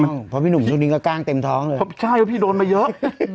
เพราะพี่หนุ่มช่วงนี้ก็กล้างเต็มท้องเลยใช่ว่าพี่โดนมาเยอะ